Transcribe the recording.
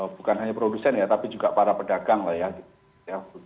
bukan hanya produsen ya tapi juga para pedagang lah ya